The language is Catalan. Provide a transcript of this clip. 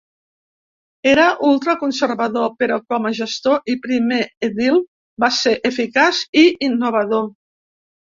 Era ultraconservador, però com a gestor i primer edil va ser eficaç i innovador.